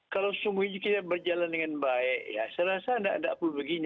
kalau semua ini kita berjalan dengan baik ya serasa tidak ada apa apa begini